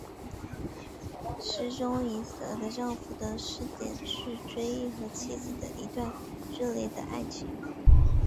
诗中以死了的丈夫的视点去追忆和妻子的一段热烈的爱情。